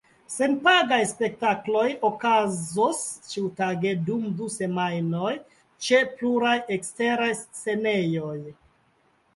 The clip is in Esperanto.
Senpagaj spektakloj okazos ĉiutage dum du semajnoj ĉe pluraj eksteraj scenejoj.